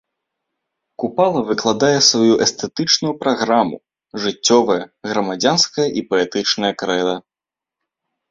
Купала выкладае сваю эстэтычную праграму, жыццёвае, грамадзянскае і паэтычнае крэда.